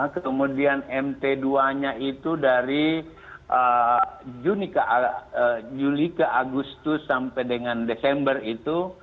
kemudian mt dua nya itu dari juli ke agustus sampai dengan desember itu